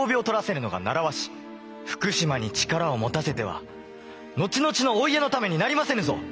福島に力を持たせては後々のお家のためになりませぬぞ！